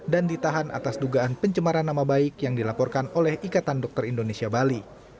dan ditahan atas dugaan pencemaran nama baik yang dilaporkan oleh ikatan dokter indonesia bali